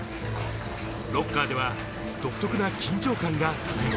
ロッカーでは独特な緊張感が漂う。